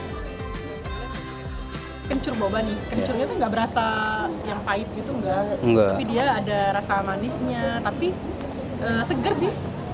kencur boba nih kencurnya tuh gak berasa yang pahit gitu enggak tapi dia ada rasa manisnya tapi seger sih